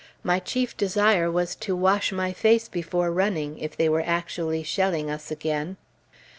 My chief desire was to wash my face before running, if they were actually shelling us again.